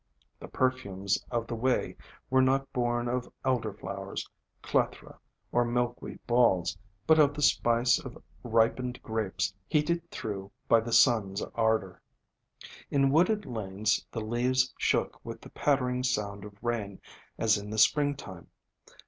The perfumes of the way were not born of Elderflowers, Clethra, or Milkweed balls, but of the spice of ripened grapes heated through by the sun's ardor. In wooded lanes the leaves shook with the pattering sound of rain as in the Springtime.